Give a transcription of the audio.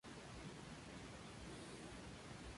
Luego hay dos letras que corresponden a la región del vehículo.